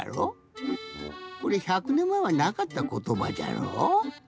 これ１００ねんまえはなかったことばじゃろ。